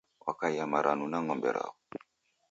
Wakaia maranu na ng'ombe raw'o.